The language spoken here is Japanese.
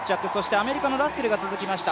アメリカのラッセルが続きました。